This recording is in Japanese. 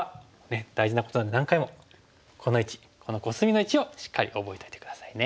大事なことなんで何回もこの位置このコスミの位置をしっかり覚えといて下さいね。